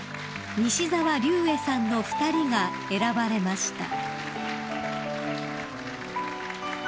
西沢立衛さんの２人が選ばれました］